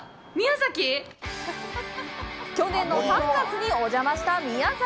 去年の３月にお邪魔した宮崎！